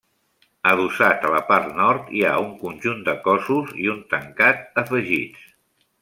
Adossat a la part nord hi ha un conjunt de cossos i un tancat afegits.